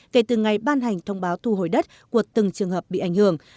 kể từ ngày ban hành thông báo thu hồi đất của từng trường hợp bị ảnh hưởng